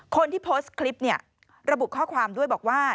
คนที่โพสต์คลิปเนี่ยระบุข้อความด้วยบอกว่า